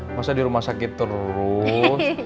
udah bisa di rumah sakit terus